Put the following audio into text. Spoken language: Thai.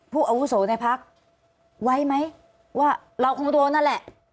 อาวุโสในพักไว้ไหมว่าเราคงโดนนั่นแหละ